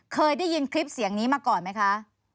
เคยได้ยินคลิปเสียงนี้มาก่อนไหมคะ